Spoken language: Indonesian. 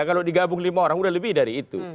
kalau digabung lima orang udah lebih dari itu